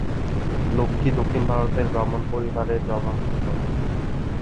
লক্ষ্মী দক্ষিণ ভারতের ব্রাহ্মণ পরিবারে জন্মগ্রহণ করেন।